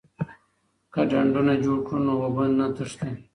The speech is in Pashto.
که ډنډونه جوړ کړو نو اوبه نه تښتي.